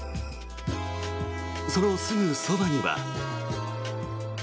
そのすぐそばには。